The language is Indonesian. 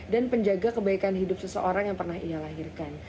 dan penjaga kebaikan hidup seseorang yang pernah ia lahirkan